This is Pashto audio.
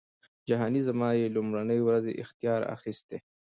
جهانی زما یې له لومړۍ ورځی اختیار اخیستی